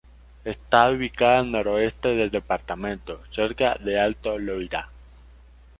Está ubicada en el noroeste del departamento, cerca de Alto Loira.